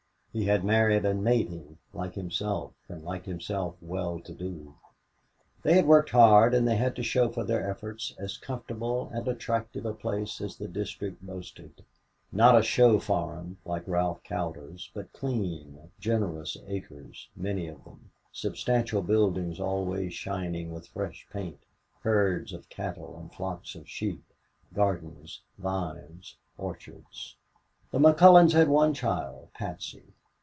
He had married a "native" like himself, and like himself well to do. They had worked hard and they had to show for their efforts as comfortable and attractive a place as the district boasted not a "show farm," like Ralph Cowder's, but clean, generous acres many of them substantial buildings always shining with fresh paint, herds of cattle and flocks of sheep, gardens, vines, orchards. The McCullons had one child, Patsy.